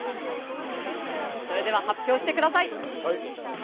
それでは発表してください！